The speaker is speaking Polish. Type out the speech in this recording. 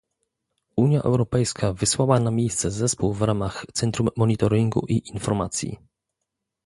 Unia Europejska wysłała na miejsce zespół w ramach Centrum Monitoringu i Informacji